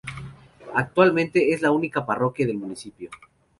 Actualmente es la única parroquia del municipio.